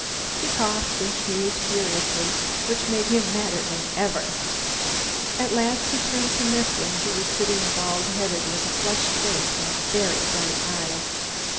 He coughed and sneezed furiously, which made him madder than ever. At last he turned to Mifflin who was sitting bald headed with a flushed face and very bright eyes.